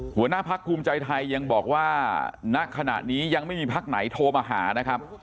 หัวหน้าพักภูมิใจไทยยังบอกว่าณขณะนี้ยังไม่มีพักไหนโทรมาหานะครับ